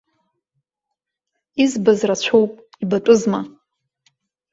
Избаз рацәоуп, ибатәызма?